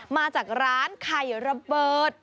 มาจากร้านไข่ระเบิด